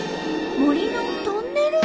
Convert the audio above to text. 「森のトンネル」？